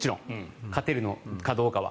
勝てるかどうかは。